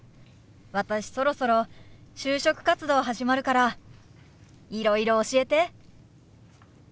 私そろそろ就職活動始まるからいろいろ教えて。